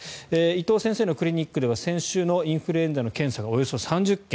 伊藤先生のクリニックでは先週のインフルエンザの検査がおよそ３０件。